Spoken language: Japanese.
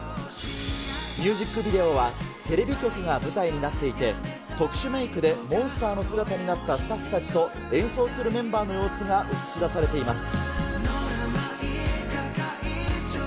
ミュージックビデオはテレビ局が舞台になっていて、特殊メークでモンスターの姿になったスタッフたちと、演奏するメンバーの様子が映し出されています。